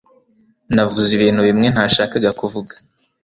Navuze ibintu bimwe ntashakaga kuvuga